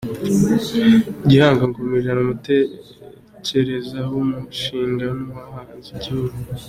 Gihanga I Ngomijana: Umutekereza w’umushinga, n’Uwahanze igihugu.